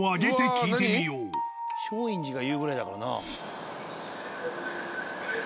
松陰寺が言うぐらいだからな。